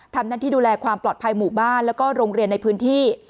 ทำหน้าที่ดูแลความปลอดภัยหมู่บ้านแล้วก็โรงเรียนในพื้นที่